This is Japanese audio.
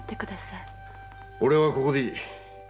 俺はここでいい。